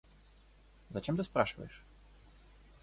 Зачем ты спрашиваешь?